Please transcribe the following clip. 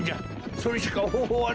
それしかほうほうはない！